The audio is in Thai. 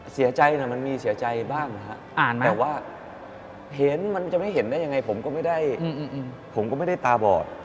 เสียใจนะมันมีเสียใจบ้างนะครับแต่ว่าเห็นมันจะไม่เห็นได้ยังไงผมก็ไม่ได้ผมก็ไม่ได้ตาบอด